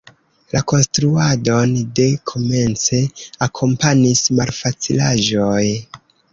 La konstruadon de komence akompanis malfacilaĵoj.